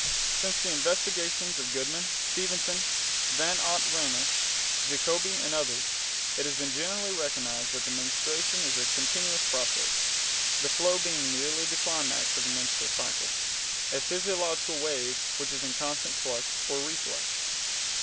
Since the investigations of Goodman, Stephenson, Van Ott, Reinl, Jacobi, and others, it has been generally recognized that menstruation is a continuous process, the flow being merely the climax of a menstrual cycle, a physiological wave which is in constant flux or reflux.